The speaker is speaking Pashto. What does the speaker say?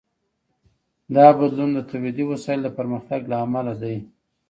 دا بدلون د تولیدي وسایلو د پرمختګ له امله دی.